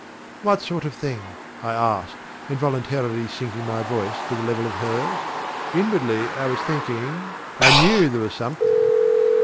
"What sort of thing?" I asked, involuntarily sinking my voice to the level of hers. Inwardly I was thinking: "I KNEW there was something..."